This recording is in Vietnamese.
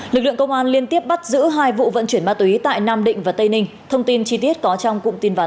lực lượng công an liên tiếp bắt giữ hai vụ vận chuyển ma túy tại nam định và tây ninh thông tin chi tiết có trong cụm tin vắn